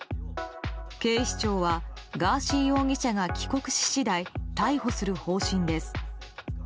警視庁はガーシー容疑者が帰国し次第逮捕する方針です。